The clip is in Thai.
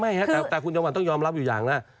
ไม่แต่คุณจอมฝันต้องยอมรับอยู่อย่างนั้น